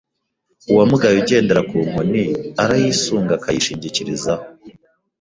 uwamugaye ugendera ku nkoni, arayisunga akayishingikirizaho